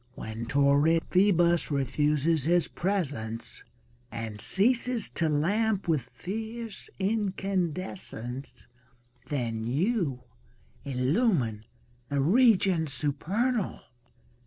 When torrid Phoebus refuses his presence And ceases to lamp with fierce incandescence^ Then you illumine the regions supernal.